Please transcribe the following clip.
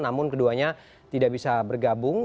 namun keduanya tidak bisa bergabung